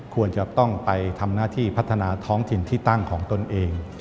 ควรจะต้องไปทำหน้าที่พัฒนาท้องถิ่นที่ตั้งของตนเอง